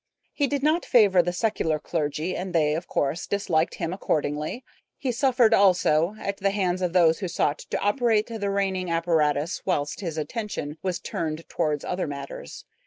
He did not favor the secular clergy, and they, of course, disliked him accordingly. He suffered also at the hands of those who sought to operate the reigning apparatus whilst his attention was turned towards other matters.